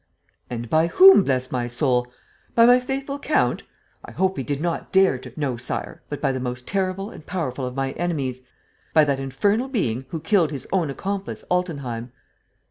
"And by whom, bless my soul? By my faithful count? I hope he did not dare ...!" "No, Sire, but by the most terrible and powerful of my enemies, by that infernal being who killed his own accomplice Altenheim."